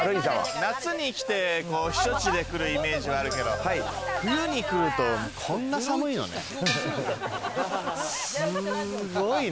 夏に来て、避暑地で来るイメージはあるけど、冬に来るとこんなに寒いのね。